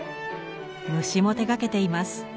虫も手がけています。